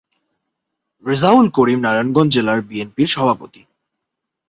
রেজাউল করিম নারায়ণগঞ্জ জেলা বিএনপির সভাপতি।